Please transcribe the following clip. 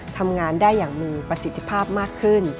ทำงานได้อย่างมีประสิทธิภาพมากขึ้น